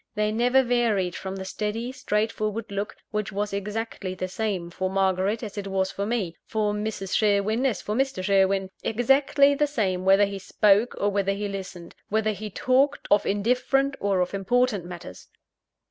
They never varied from the steady, straightforward look, which was exactly the same for Margaret as it was for me; for Mrs. Sherwin as for Mr. Sherwin exactly the same whether he spoke or whether he listened; whether he talked of indifferent, or of important matters.